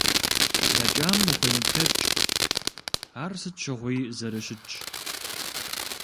Блэкӏам ухуемыплъэкӏ, ар сыт щыгъуи зэрыщытщ.